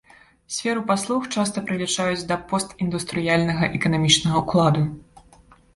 Сферу паслуг часта прылічаюць да постіндустрыяльнага эканамічнага ўкладу.